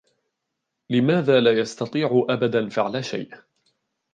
لماذا لا يستطيع أبدا فعل شيء ؟